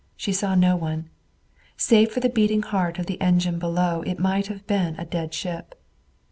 She saw no one. Save for the beating heart of the engine below it might have been a dead ship.